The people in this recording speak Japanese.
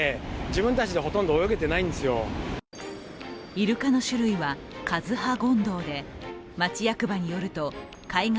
イルカの種類はカズハゴンドウで町役場によると海岸